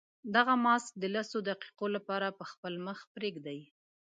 دغه ماسک د لسو دقیقو لپاره په خپل مخ پرېږدئ.